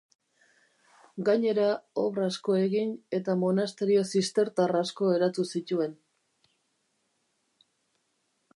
Gainera, obra asko egin eta monasterio zistertar asko eratu zituen.